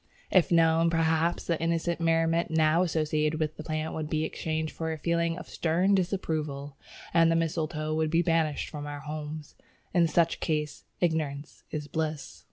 If known, perhaps, the innocent merriment now associated with the plant would be exchanged for a feeling of stern disapproval, and the mistletoe would be banished from our homes. In such a case ignorance is bliss."